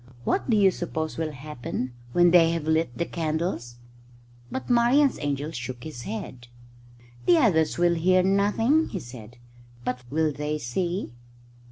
What do you suppose will happen when they have lit the candles?" But Marian's angel shook his head. "The others will hear nothing," he said. "But will they see?"